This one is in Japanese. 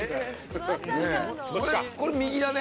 これ右だね。